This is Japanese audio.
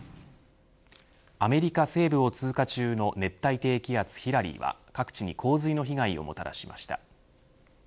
アメリカ西部を通過中の熱帯低気圧ヒラリーは各地に洪水の被害をもたらしました。